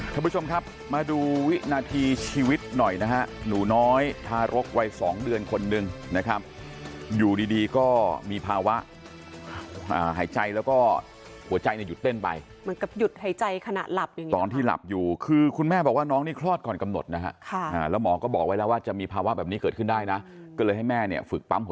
ท่านผู้ชมครับมาดูวินาทีชีวิตหน่อยนะฮะหนูน้อยทารกวัยสองเดือนคนหนึ่งนะครับอยู่ดีดีก็มีภาวะหายใจแล้วก็หัวใจเนี่ยหยุดเต้นไปเหมือนกับหยุดหายใจขณะหลับจริงตอนที่หลับอยู่คือคุณแม่บอกว่าน้องนี่คลอดก่อนกำหนดนะฮะแล้วหมอก็บอกไว้แล้วว่าจะมีภาวะแบบนี้เกิดขึ้นได้นะก็เลยให้แม่เนี่ยฝึกปั